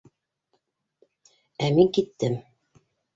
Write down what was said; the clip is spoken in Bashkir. Ә мин киттем.